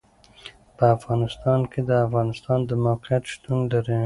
په افغانستان کې د افغانستان د موقعیت شتون لري.